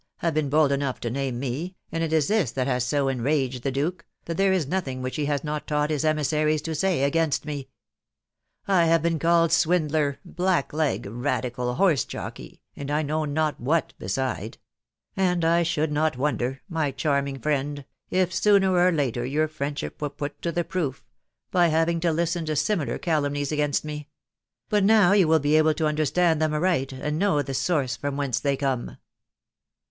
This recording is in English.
— have been bold enough to name me, and it is this that has so enraged the Duke, that there is nothing which he has not taught his emissaries to say against me. ... I have been called swindler, black leg, radical, horse jockey, and I know not what beside ; and I should not wonder, my charming friend, if sooner or later your friendship were put to the proof, by having to listen to similar calumnies against me ; but now, you will be able to understand them aright, and know the source from whence they come."